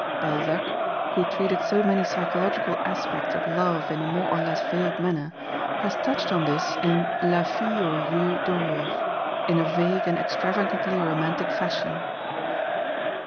Balzac, who treated so many psychological aspects of love in a more or less veiled manner, has touched on this in La Fille aux Yeux d'Or, in a vague and extravagantly romantic fashion.